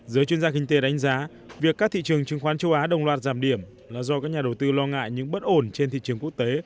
giới chuyên gia kinh tế đánh giá việc các thị trường chứng khoán châu á đồng loạt giảm điểm là do các nhà đầu tư lo ngại những bất ổn trên thị trường quốc tế